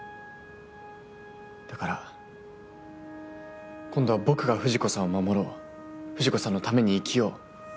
だから「今度は僕が藤子さんを守ろう藤子さんのために生きよう」